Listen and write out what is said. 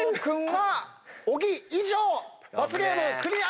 罰ゲームクリア！